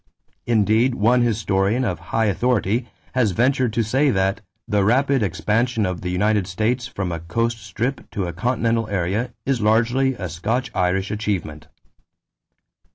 Indeed one historian of high authority has ventured to say that "the rapid expansion of the United States from a coast strip to a continental area is largely a Scotch Irish achievement."